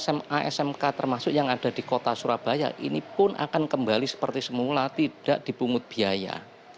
sma smk termasuk yang ada di kota surabaya ini pun akan kembali seperti semula tidak dipungut biaya